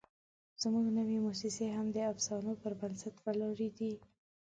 زموږ نوې موسسې هم د افسانو پر بنسټ ولاړې دي.